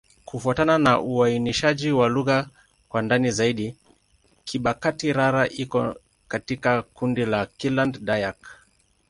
Kufuatana na uainishaji wa lugha kwa ndani zaidi, Kibakati'-Rara iko katika kundi la Kiland-Dayak.